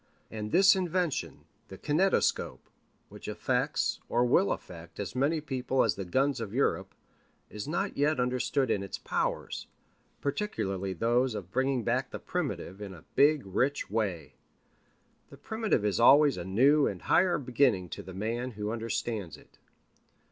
And this invention, the kinetoscope, which affects or will affect as many people as the guns of Europe, is not yet understood in its powers, particularly those of bringing back the primitive in a big rich way. The primitive is always a new and higher beginning to the man who understands it.